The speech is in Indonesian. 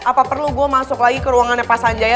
apa perlu gue masuk lagi ke ruangannya pak sanjaya